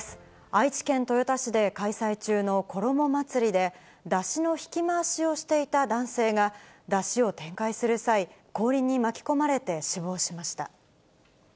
愛知県豊田市で開催中の拳母祭りで、山車の引き回しをしていた男性が、だしを転回する際、後輪に巻き込まれて死亡しました。